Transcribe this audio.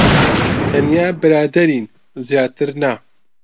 تەنیا برادەرین. زیاتر نا.